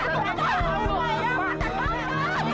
kau mau pegang tante tante